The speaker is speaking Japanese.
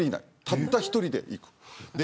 たった１人で行く。